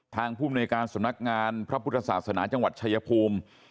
ภูมิในการสำนักงานพระพุทธศาสนาจังหวัดชายภูมิ